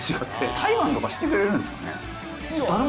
対バンとかしてくれるんですかね。